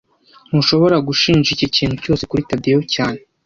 Ntushobora gushinja iki kintu cyose kuri Tadeyo cyane